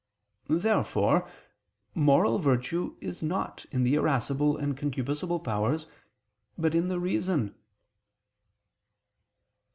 Therefore moral virtue is not in the irascible and concupiscible powers, but in the reason.